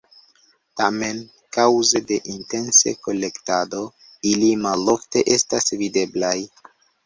Tamen, kaŭze de intense kolektado, ili malofte estas videblaj.